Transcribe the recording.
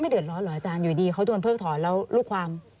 เดือดร้อนเหรออาจารย์อยู่ดีเขาโดนเพิกถอนแล้วลูกความ